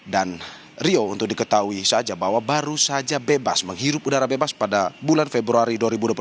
dan rio untuk diketahui saja bahwa baru saja bebas menghirup udara bebas pada bulan februari dua ribu dua puluh empat